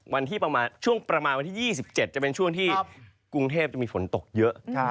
ช่วงประมาณวันที่๒๗จะเป็นช่วงที่กรุงเทพจะมีฝนตกเยอะ